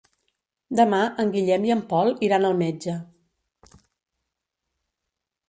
Demà en Guillem i en Pol iran al metge.